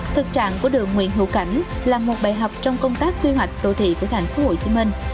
thực trạng của đường nguyễn hữu cảnh là một bài học trong công tác quy hoạch đô thị của thành phố hồ chí minh